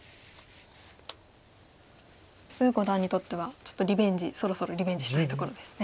呉五段にとってはちょっとリベンジそろそろリベンジしたいところですね。